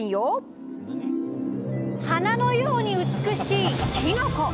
花のように美しいきのこ。